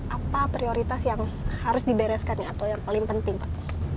apa prioritas yang harus dibereskan atau yang paling penting pak